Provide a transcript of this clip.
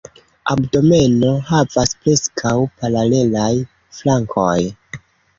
Abdomeno havas preskaŭ paralelaj flankoj.